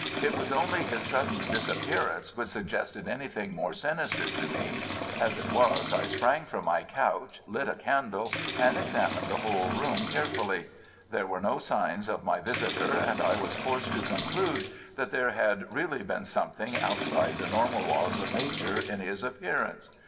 It was only his sudden disappearance which suggested anything more sinister to me. As it was I sprang from my couch, lit a candle, and examined the whole room carefully. There were no signs of my visitor, and I was forced to conclude that there had really been something outside the normal laws of Nature in his appearance.